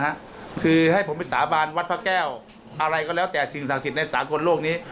คือให้ผมไปสาบานวัดพระแก้วอะไรก็แล้วแต่สิ่งศักดิ์สิทธิ์ในสากลโลกนี้